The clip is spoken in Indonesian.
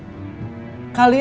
bukan perkara yang susah